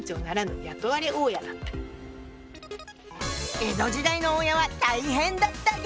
江戸時代の大家は大変だった劇場！